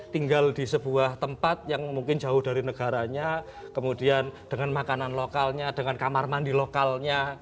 tinggal di sebuah tempat yang mungkin jauh dari negaranya kemudian dengan makanan lokalnya dengan kamar mandi lokalnya